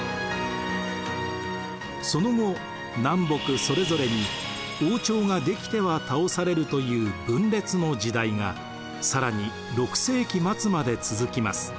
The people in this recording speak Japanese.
その後南北それぞれに王朝が出来ては倒されるという分裂の時代が更に６世紀末まで続きます。